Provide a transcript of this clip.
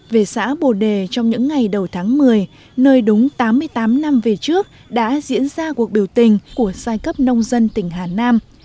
về xã bồ đề trong những ngày đầu tháng một mươi nơi đúng tám mươi tám năm về trước đã diễn ra cuộc biểu tình của giai cấp nông dân tỉnh hà nam